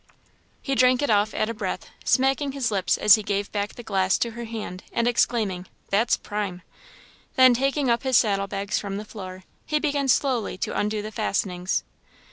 He drank it off at a breath, smacking his lips as he gave back the glass to her hand, and exclaiming, "That's prime!" Then taking up his saddle bags from the floor, he began slowly to undo the fastenings.